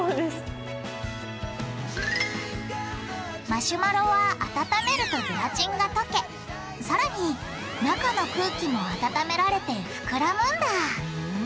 マシュマロは温めるとゼラチンが溶けさらに中の空気も温められてふくらむんだふん。